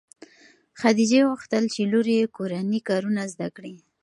خدیجې غوښتل چې لور یې کورني کارونه زده کړي.